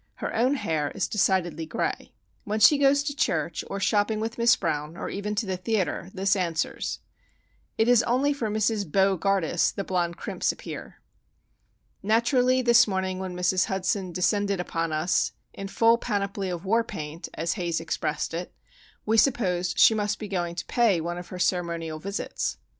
Her own hair is decidedly gray. When she goes to church, or shopping with Miss Brown, or even to the theatre, this answers. It is only for Mrs. Bo gardus the blond crimps appear. Naturally this morning when Mrs. Hudson descended upon us "in full panoply of war paint," as Haze expressed it, we supposed she must be going to pay one of her ceremonial visits.